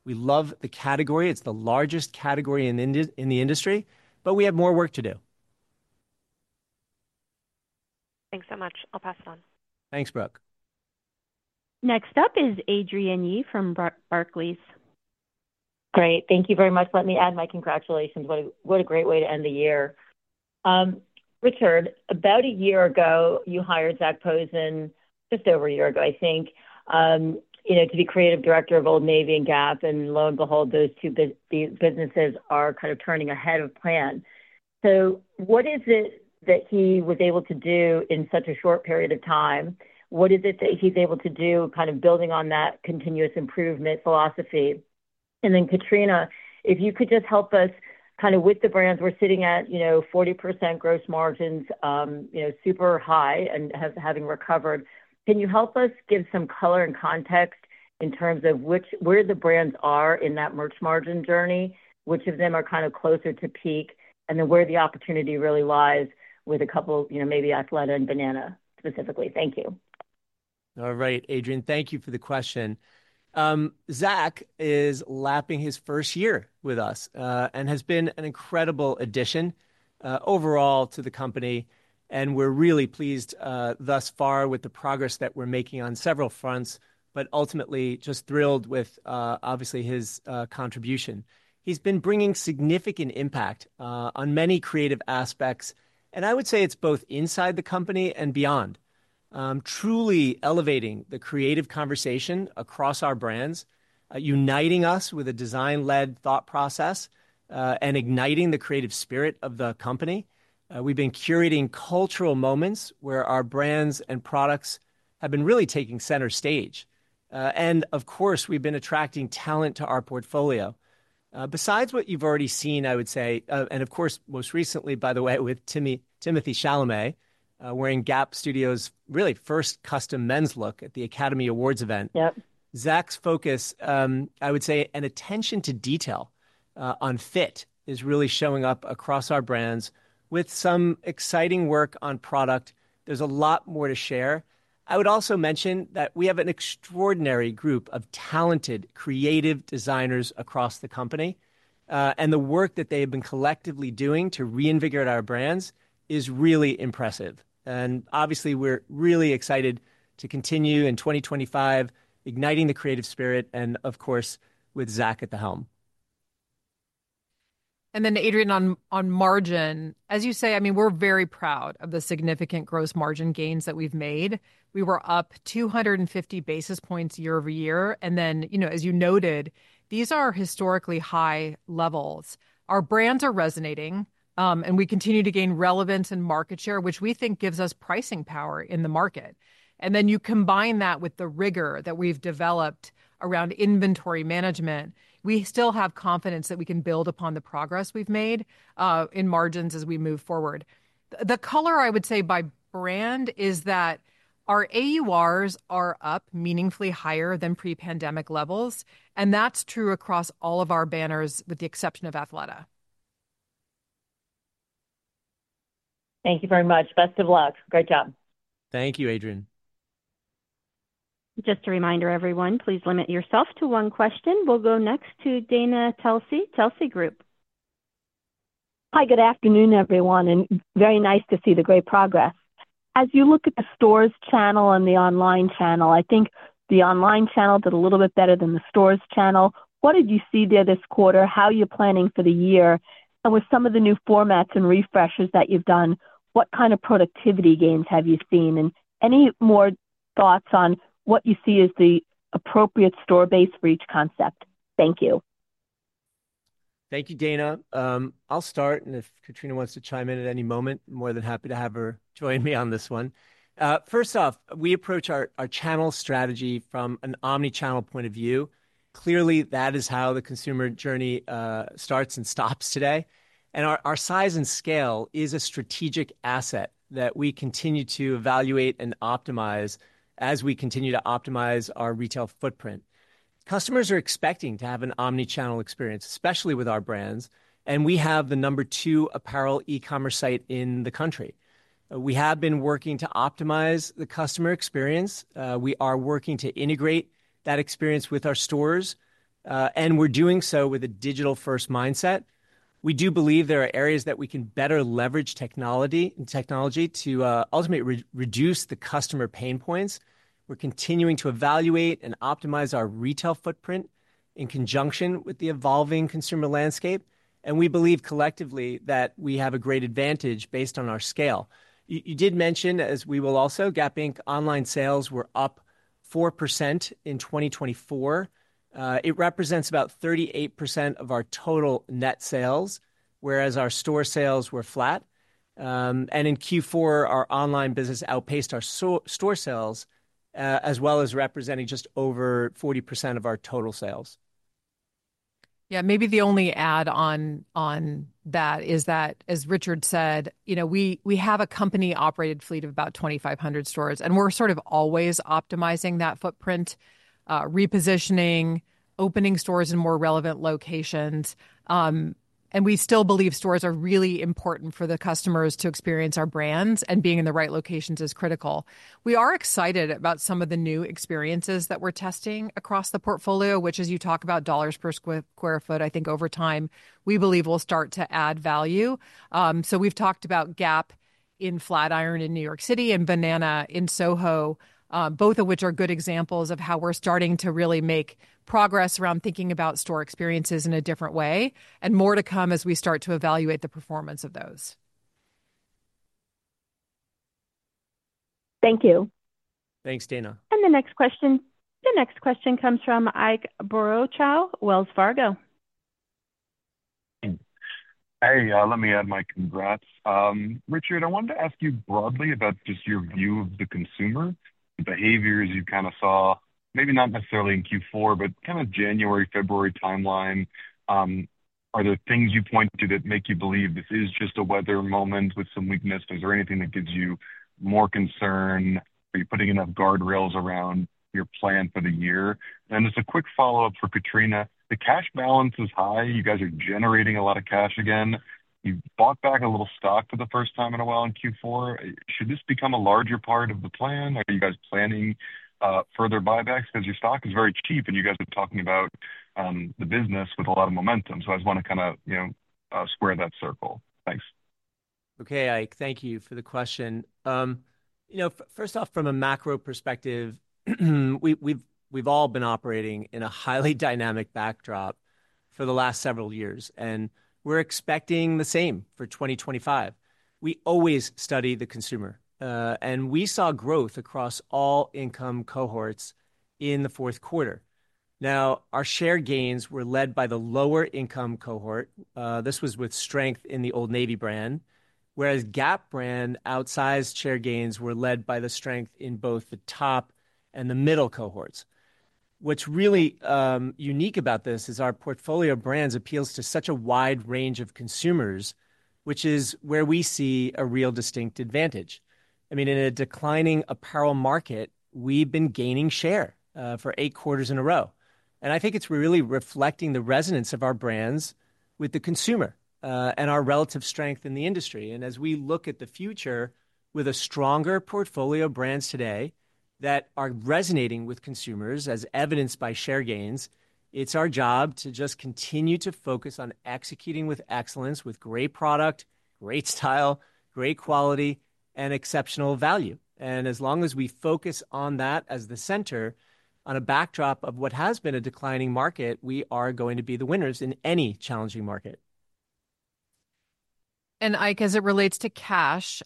We love the category. It's the largest category in the industry, but we have more work to do. Thanks so much. I'll pass it on. Thanks, Brooke. Next up is Adrienne Yih from Barclays. Great. Thank you very much. Let me add my congratulations. What a great way to end the year. Richard, about a year ago, you hired Zac Posen just over a year ago, I think, you know, to be creative director of Old Navy and Gap, and lo and behold, those two businesses are kind of turning ahead of plan. What is it that he was able to do in such a short period of time? What is it that he's able to do kind of building on that continuous improvement philosophy? And then, Katrina, if you could just help us kind of with the brands, we're sitting at, you know, 40% gross margins, you know, super high and having recovered. Can you help us give some color and context in terms of where the brands are in that merch margin journey, which of them are kind of closer to peak, and then where the opportunity really lies with a couple, you know, maybe Athleta and Banana Republic specifically? Thank you. All right, Adrienne, thank you for the question. Zac is lapping his first year with us and has been an incredible addition overall to the company, and we're really pleased thus far with the progress that we're making on several fronts, but ultimately just thrilled with, obviously, his contribution. He's been bringing significant impact on many creative aspects, and I would say it's both inside the company and beyond, truly elevating the creative conversation across our brands, uniting us with a design-led thought process, and igniting the creative spirit of the company. We've been curating cultural moments where our brands and products have been really taking center stage, and of course, we've been attracting talent to our portfolio. Besides what you've already seen, I would say, and of course, most recently, by the way, with Timothée Chalamet wearing Gap's studio's really first custom men's look at the Academy Awards event. Zac's focus, I would say, and attention to detail on fit is really showing up across our brands with some exciting work on product. There's a lot more to share. I would also mention that we have an extraordinary group of talented creative designers across the company. And the work that they have been collectively doing to reinvigorate our brands is really impressive. And obviously, we're really excited to continue in 2025, igniting the creative spirit, and of course, with Zac at the helm. And then, Adrienne, on margin, as you say, I mean, we're very proud of the significant gross margin gains that we've made. We were up 250 basis points year over year. And then, you know, as you noted, these are historically high levels. Our brands are resonating, and we continue to gain relevance and market share, which we think gives us pricing power in the market. And then you combine that with the rigor that we've developed around inventory management. We still have confidence that we can build upon the progress we've made in margins as we move forward. The color, I would say, by brand is that our AURs are up meaningfully higher than pre-pandemic levels. And that's true across all of our banners with the exception of Athleta. Thank you very much. Best of luck. Great job. Thank you, Adrienne. Just a reminder, everyone, please limit yourself to one question. We'll go next to Dana Telsey, Telsey Advisory Group. Hi, good afternoon, everyone, and very nice to see the great progress. As you look at the stores channel and the online channel, I think the online channel did a little bit better than the stores channel. What did you see there this quarter? How are you planning for the year? And with some of the new formats and refreshes that you've done, what kind of productivity gains have you seen? And any more thoughts on what you see as the appropriate store base for each concept? Thank you. Thank you, Dana. I'll start, and if Katrina wants to chime in at any moment, more than happy to have her join me on this one. First off, we approach our channel strategy from an omnichannel point of view. Clearly, that is how the consumer journey starts and stops today. And our size and scale is a strategic asset that we continue to evaluate and optimize as we continue to optimize our retail footprint. Customers are expecting to have an omnichannel experience, especially with our brands. And we have the number two apparel e-commerce site in the country. We have been working to optimize the customer experience. We are working to integrate that experience with our stores. And we're doing so with a digital-first mindset. We do believe there are areas that we can better leverage technology to ultimately reduce the customer pain points. We're continuing to evaluate and optimize our retail footprint in conjunction with the evolving consumer landscape. And we believe collectively that we have a great advantage based on our scale. You did mention, as we will also, Gap Inc. online sales were up 4% in 2024. It represents about 38% of our total net sales, whereas our store sales were flat, and in Q4, our online business outpaced our store sales, as well as representing just over 40% of our total sales. Yeah, maybe the only add-on on that is that, as Richard said, you know, we have a company-operated fleet of about 2,500 stores, and we're sort of always optimizing that footprint, repositioning, opening stores in more relevant locations, and we still believe stores are really important for the customers to experience our brands, and being in the right locations is critical. We are excited about some of the new experiences that we're testing across the portfolio, which, as you talk about, dollars per sq ft, I think over time, we believe will start to add value. So we've talked about Gap in Flatiron in New York City and Banana in SoHo, both of which are good examples of how we're starting to really make progress around thinking about store experiences in a different way, and more to come as we start to evaluate the performance of those. Thank you. Thanks, Dana. And the next question comes from Ike Boruchow, Wells Fargo. Hey, let me add my congrats. Richard, I wanted to ask you broadly about just your view of the consumer, the behaviors you kind of saw, maybe not necessarily in Q4, but kind of January, February timeline. Are there things you point to that make you believe this is just a weather moment with some weakness? Is there anything that gives you more concern? Are you putting enough guardrails around your plan for the year? Then just a quick follow-up for Katrina. The cash balance is high. You guys are generating a lot of cash again. You bought back a little stock for the first time in a while in Q4. Should this become a larger part of the plan? Are you guys planning further buybacks? Because your stock is very cheap, and you guys are talking about the business with a lot of momentum. So I just want to kind of, you know, square that circle. Thanks. Okay, Ike, thank you for the question. You know, first off, from a macro perspective, we've all been operating in a highly dynamic backdrop for the last several years, and we're expecting the same for 2025. We always study the consumer, and we saw growth across all income cohorts in the fourth quarter. Now, our share gains were led by the lower income cohort. This was with strength in the Old Navy brand, whereas Gap brand outsized share gains were led by the strength in both the top and the middle cohorts. What's really unique about this is our portfolio brands appeals to such a wide range of consumers, which is where we see a real distinct advantage. I mean, in a declining apparel market, we've been gaining share for eight quarters in a row. And I think it's really reflecting the resonance of our brands with the consumer and our relative strength in the industry. And as we look at the future with a stronger portfolio of brands today that are resonating with consumers, as evidenced by share gains, it's our job to just continue to focus on executing with excellence, with great product, great style, great quality, and exceptional value. As long as we focus on that as the center on a backdrop of what has been a declining market, we are going to be the winners in any challenging market. Ike, as it relates to cash,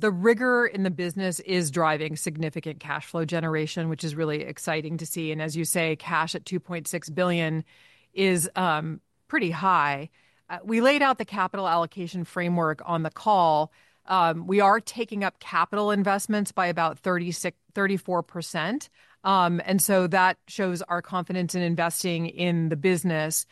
the rigor in the business is driving significant cash flow generation, which is really exciting to see. As you say, cash at $2.6 billion is pretty high. We laid out the capital allocation framework on the call. We are taking up capital investments by about 34%. That shows our confidence in investing in the business.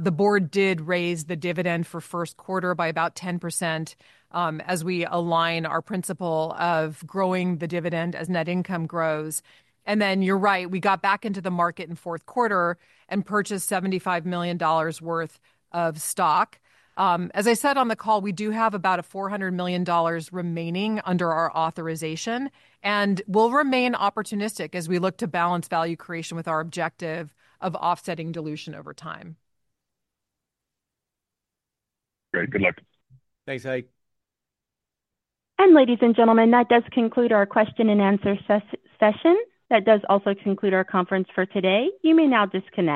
The Board did raise the dividend for first quarter by about 10% as we align our principle of growing the dividend as net income grows. You're right, we got back into the market in fourth quarter and purchased $75 million worth of stock. As I said on the call, we do have about a $400 million remaining under our authorization, and we'll remain opportunistic as we look to balance value creation with our objective of offsetting dilution over time. Great. Good luck. Thanks, Ike. And ladies and gentlemen, that does conclude our question and answer session. That does also conclude our conference for today. You may now disconnect.